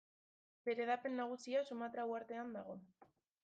Bere hedapen nagusia Sumatra uhartean dago.